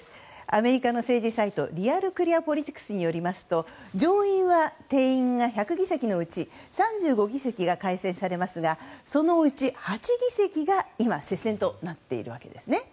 アメリカの政治サイトリアル・クリア・ポリティクスによりますと、上院は定員が１００議席のうち３５議席が改選されますがそのうち８議席が接戦となっているわけですね。